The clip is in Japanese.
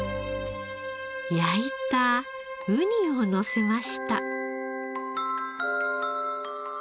焼いたウニをのせました。